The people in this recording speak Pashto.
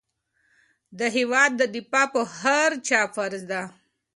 د هېواد دفاع په هر چا فرض ده.